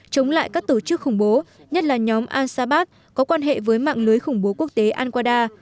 chống lại các tổ chức khủng bố nhất là nhóm al sabah có quan hệ với mạng lưới khủng bố quốc tế al qaeda